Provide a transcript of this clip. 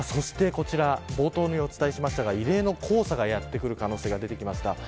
冒頭にお伝えしましたが異例の黄砂がやって来る可能性が出てきました。